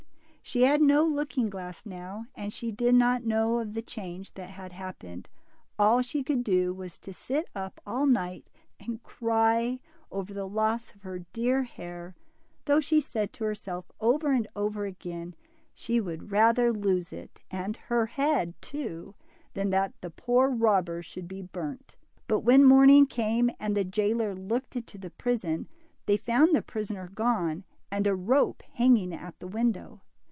She had no looking glass now, and she did not know of the change that had happened. All she could do was to sit up all night and cry over the loss DIMPLE. 59 of her dear hair, though she said to herself over and over again, she would rather lose it and her head too, than that the poor robber should be burnt. But when morning came, and the jailer looked into the prison, they found the prisoner gone, and a rope hanging at the window.